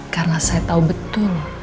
karena saya tahu betul